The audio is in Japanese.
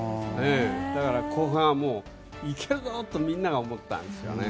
だから後半は行けるぞとみんなが思ったんですよね。